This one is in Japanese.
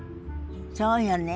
そうよね。